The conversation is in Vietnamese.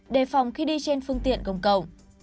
đề phòng khi đi trên phương tiện công cộng